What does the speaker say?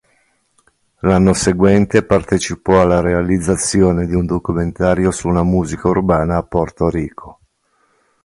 L'anno seguente partecipò alla realizzazione di un documentario sulla musica urbana a Porto Rico.